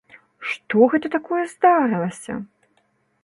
Што гэта такое здарылася!